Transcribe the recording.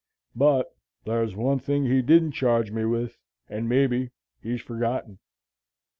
But thar's one thing he didn't charge me with, and, maybe, he's forgotten.